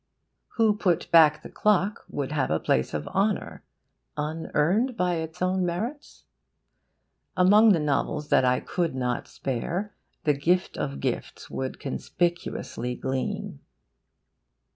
WHO PUT BACK THE CLOCK? would have a place of honour (unearned by its own merits?). Among other novels that I could not spare, THE GIFT OF GIFTS would conspicuously gleam.